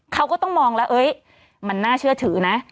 เขาก็ต้องมองแล้วมันน่าเชื่อถือนะ